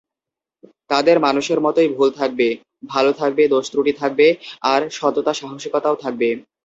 তাদের মানুষের মতোই ভুল থাকবে, ভালো থাকবে, দোষ-ত্রুটি থাকবে আবার সততা-সাহসিকতাও থাকবে।